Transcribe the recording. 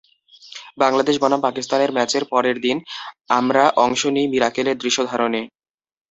বাংলাদেশ বনাম পাকিস্তানের ম্যাচের পরের দিন আমরা অংশ নিই মীরাক্কেলের দৃশ্য ধারণে।